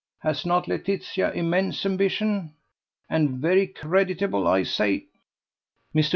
Has not Laetitia immense ambition? And very creditable, I say." Mr.